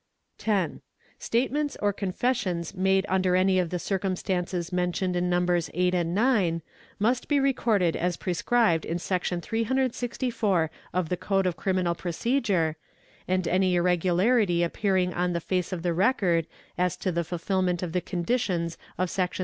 10. Statements or confessions made under any of the circumstances _ mentioned in Nos. 8 and 9 must be recorded as prescribed in Sec. 364 of ' the Code of Criminal Procedure, and any irregularity appearing on the face of the record as to the fulfilment of the conditions of Secs.